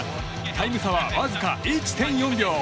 タイム差はわずか１．４秒。